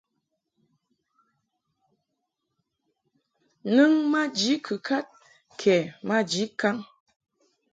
Nɨŋ maji kɨkad kɛ maji kaŋ.